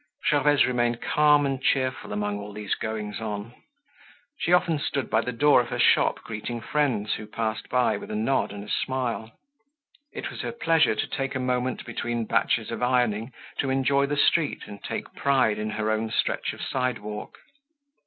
Gervaise remained calm and cheerful among all these goings on. She often stood by the door of her shop greeting friends who passed by with a nod and a smile. It was her pleasure to take a moment between batches of ironing to enjoy the street and take pride in her own stretch of sidewalk.